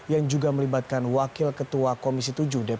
yang juga melibatkan wakil ketua komisi tujuh dpr ri eni saragi